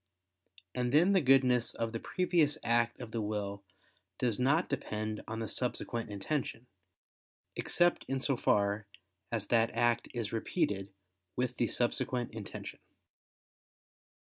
And then the goodness of the previous act of the will does not depend on the subsequent intention, except in so far as that act is repeated with the subsequent intention.